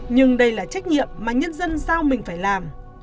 nhưng đây là trách nhiệm mà nhân dân giao mình phải làm